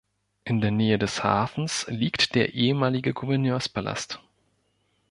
In der Nähe des Hafens liegt der ehemalige Gouverneurspalast.